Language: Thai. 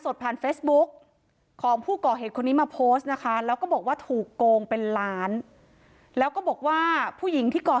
ฉันแสดงว่ามันก็มี